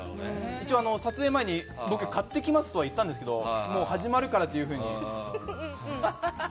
一応、撮影前に僕、買ってきますとは言ったんですけどもう始まるからというふうに。